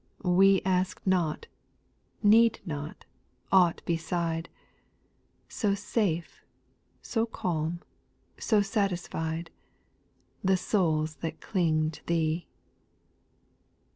We ask not, need not, aught beside, So safe, so calm, so satisfied, The souls that cling to Thee 1 7.